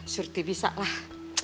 surti bisa lah